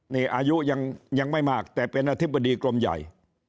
นี่อายุยังไม่มากแต่เป็นอธิบดีกรมใหญ่